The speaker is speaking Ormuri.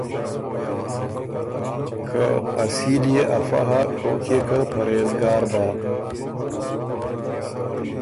که اصیل يې افۀ هۀ کوک يې که پرېزګار بۀ“